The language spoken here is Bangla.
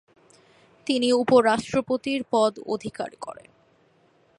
তিনি উপ-রাষ্ট্রপতির পদ অধিকার করেন।